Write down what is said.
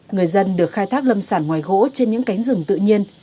người dân được khai thác lâm sản ngoài gỗ trên những cánh rừng tự nhiên